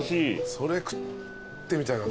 それ食ってみたいな確かに。